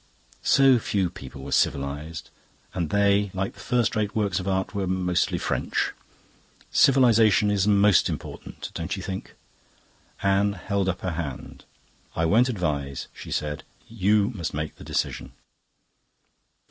So few people were civilised, and they, like the first rate works of art, were mostly French. "Civilisation is most important, don't you think?" Anne held up her hand. "I won't advise," she said. "You must make the decision."